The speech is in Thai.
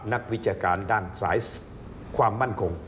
นักวิชาการด้านสายความมั่นคง